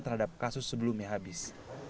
terhadap kasus sebelumnya habis